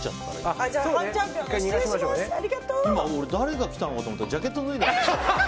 今、俺誰が来たのかと思ったらジャケット脱いでた。